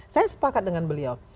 saya sepakat dengan beliau